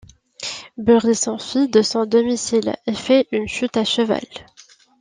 Berit s'enfuit de son domicile et fait une chute à cheval.